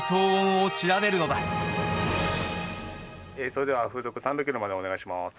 それでは風速３００ｋｍまでお願いします。